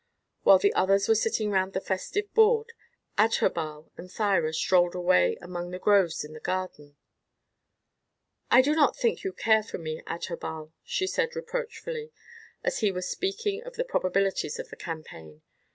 While the others were sitting round the festive board, Adherbal and Thyra strolled away among the groves in the garden. "I do not think you care for me, Adherbal," she said reproachfully as he was speaking of the probabilities of the campaign.